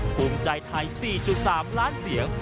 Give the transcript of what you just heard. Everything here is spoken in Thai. ภูมิใจไทย๔๓ล้านเสียง